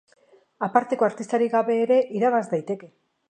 Aparteko artistarik gabe ere irabaz daiteke.